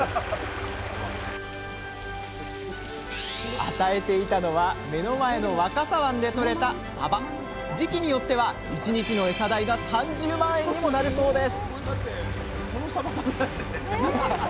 与えていたのは目の前の時期によっては１日のエサ代が３０万円にもなるそうです